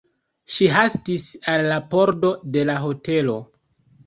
Ŝi hastis al la pordo de la hotelo.